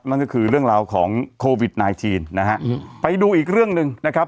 นั่นก็คือเรื่องราวของโควิดไนทีนนะฮะไปดูอีกเรื่องหนึ่งนะครับ